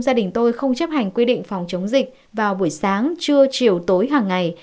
gia đình tôi không chấp hành quy định phòng chống dịch vào buổi sáng trưa chiều tối hàng ngày